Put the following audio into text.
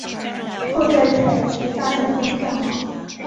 后在采石大战中战亡。